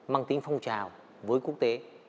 mang tính phong trào với quốc tế